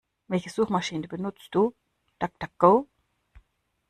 Welche Suchmaschiene benutzt du? DuckDuckGo?